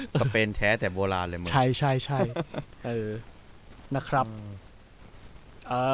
อ๋อเหรอก็เป็นแท้แต่โบราณเลยใช่ใช่ใช่เออนะครับเอ่อ